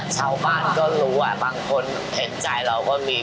เช้าบ้านก็รู้อ่ะบางคนแทนใจเราก็มี